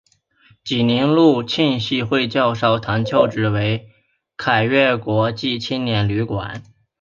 济宁路浸信会教堂旧址现为凯越国际青年旅馆。